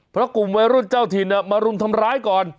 เพราะกลุ่มวัยรุ่นเจ้าถิ่นมารุมทำร้ายก่อน